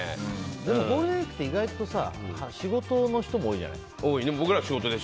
でもゴールデンウィークって意外と仕事の人も多いじゃない。